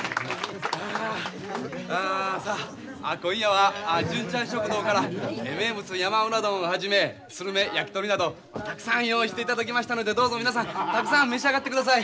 さあ今夜は純ちゃん食堂から名物山うな丼をはじめするめ焼き鳥などたくさん用意していただきましたのでどうぞ皆さんたくさん召し上がってください。